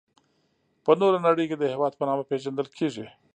په نوره نړي کي د هیواد په نامه پيژندل کيږي.